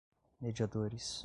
mediadores